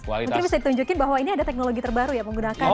mungkin bisa ditunjukin bahwa ini ada teknologi terbaru ya menggunakan